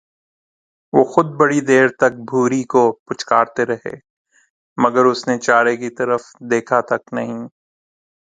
وہ خود بڑی دیر تک بھوری کو پچکارتے رہے، مگر اس نے چارے کی طرف دیکھا تک نہیں۔